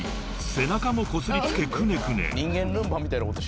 背中もこすり付けくねくね］